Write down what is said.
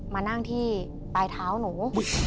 มานั่งที่ปลายเท้าหนู